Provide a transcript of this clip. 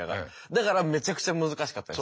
だからめちゃくちゃ難しかったです。